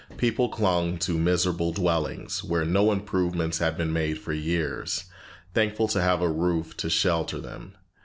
People clung to miserable dwellings, where no improvements had been made for years, thankful to have a roof to shelter them.